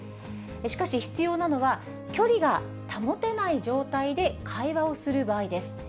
しかし必要なのは、距離が保てない状態で会話をする場合です。